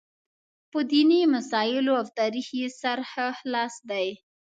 په دیني مسایلو او تاریخ یې سر ښه خلاص دی.